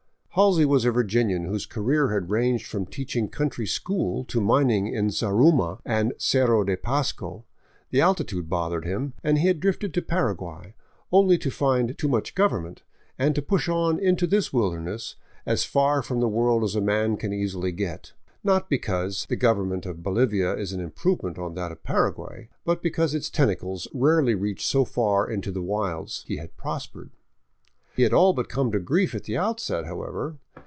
Halsey was a Virginian whose career had ranged from teaching country school to mining in Zaruma and Cerro de Pasco. The altitude bothered him and he had drifted to Paraguay, only to find '' too much government'* and to push on into this wilderness as far from the 588 SKIRTING THE GRAN CHACO world as a man can easily get. Not because the government of Bolivia is an improvement on that of Paraguay, but because its tenta cles rarely reach so far into the wilds, he had prospered. He had all but come to grief at the outset, however.